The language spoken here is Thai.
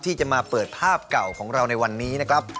ที่จะมาเปิดภาพเก่าของเราในวันนี้นะครับ